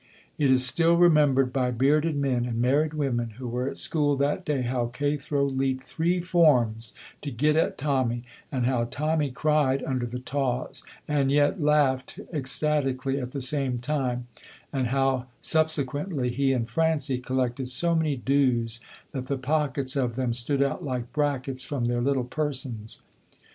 It is still remembered by bearded men and married women who were at school that day how Cathro leaped three forms to get at Tommy, and how Tommy cried under the tawse and yet laughed ecstatically at the same time, and how subsequently he and Francie collected so many dues that the pockets of them stood out like brackets from their little persons.